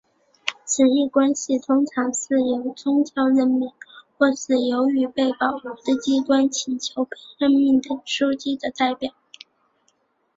此一关系通常是由教宗任命或是由于被保护的机关请求被任命的枢机的代表。